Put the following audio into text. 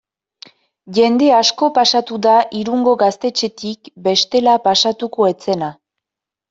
Jende asko pasatu da Irungo gaztetxetik bestela pasatuko ez zena.